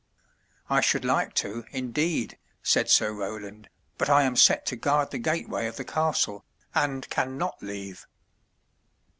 '' *'I should like to, indeed," said Sir Roland. But I am set to guard the gateway of the castle, and can not leave."